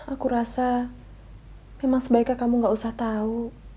aku rasa memang sebaiknya kamu gak usah tahu